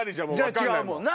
違うもんな。